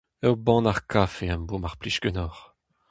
Ur bannac'h kafe am bo mar plij ganeoc'h !